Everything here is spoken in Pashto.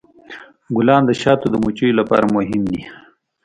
ګلان د شاتو د مچیو لپاره مهم دي.